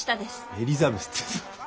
エリザベスって。